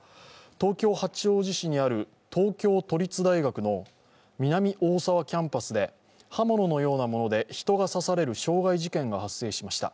東京・八王子市にある東京都立大学の南大沢キャンパスで刃物のようなもので人が刺される傷害事件が発生しました。